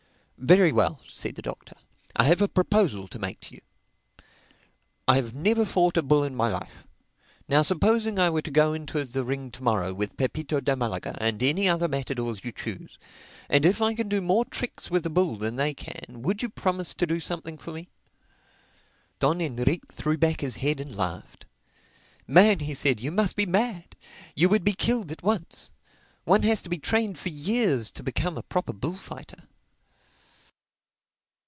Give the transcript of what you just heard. "Very well," said the Doctor, "I have a proposal to make to you. I have never fought a bull in my life. Now supposing I were to go into the ring to morrow with Pepito de Malaga and any other matadors you choose; and if I can do more tricks with a bull than they can, would you promise to do something for me?" Don Enrique threw back his head and laughed. "Man," he said, "you must be mad! You would be killed at once. One has to be trained for years to become a proper bullfighter."